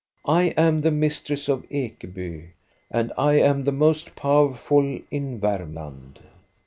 I am the mistress of Ekeby, and I am the most powerful in Varmland.